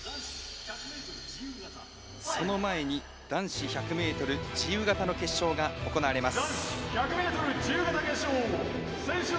その前に男子１００ｍ自由形の決勝が行われます。